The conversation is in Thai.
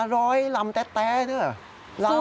อร่อยลำแต๊ดนี่หรือ